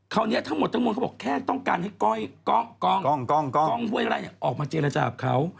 คราวนี้ทั้งหมดทั้งหมดเขาบอกแค่ต้องการให้ก้องออกมาเจรจาบเขา